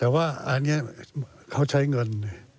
แต่ว่าอันนี้เขาใช้เงิน